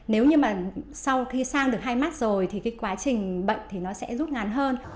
nếu như sau khi sang được hai mắt rồi quá trình bệnh sẽ rút ngán hơn